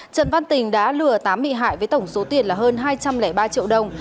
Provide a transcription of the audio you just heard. trần văn tình đã lừa tám bị hại với tổng số tiền là hơn hai trăm linh ba triệu đồng